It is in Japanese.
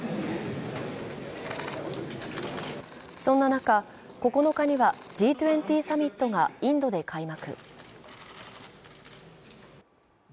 そんな中、９日にはＧ２０サミットがインドで開幕。